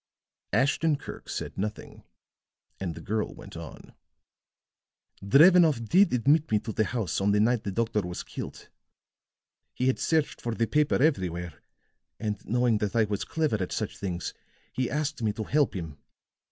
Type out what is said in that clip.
Ashton Kirk said nothing; and the girl went on: "Drevenoff did admit me to the house on the night the doctor was killed. He had searched for the paper everywhere; and knowing that I was clever at such things, he asked me to help him.